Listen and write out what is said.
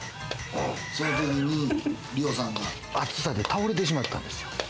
そのときに梨緒さんが暑さで倒れてしまったんですよ。